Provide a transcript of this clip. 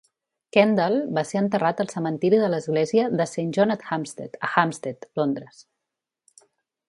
Kendall va ser enterrat al cementiri de l'església de Saint John-at-Hampstead, a Hampstead, Londres.